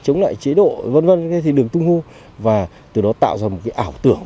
chống lại chế độ v v thì được tung hô và từ đó tạo ra một cái ảo tưởng